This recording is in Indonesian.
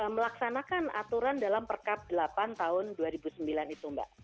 melaksanakan aturan dalam perkap delapan tahun dua ribu sembilan itu mbak